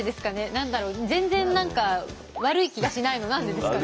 何だろう全然何か悪い気がしないの何でですかね？